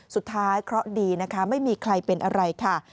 สุดท้ายเคราะดีนะคะไม่มีใครเป็นอะไรค่ะ